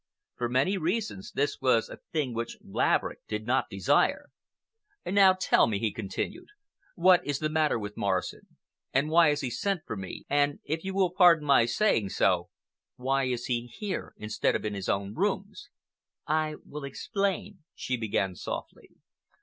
For many reasons, this was a thing which Laverick did not desire. "Now tell me," he continued, "what is the matter with Morrison, and why has he sent for me, and, if you will pardon my saying so, why is he here instead of in his own rooms?" "I will explain," she began softly.